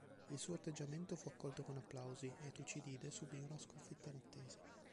Il suo atteggiamento fu accolto con applausi, e Tucidide subì una sconfitta inattesa.